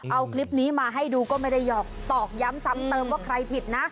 เอาคลิปนี้มาให้ดูก็ไม่ได้ตอกย้ำซ้ำเติมว่าใครผิดนะ